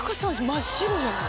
真っ白じゃない？